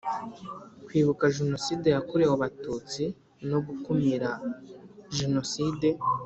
Kwibuka Jenoside yakorewe Abatutsi no gukumira Jenoside